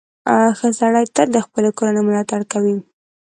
• ښه سړی تل د خپلې کورنۍ ملاتړ کوي.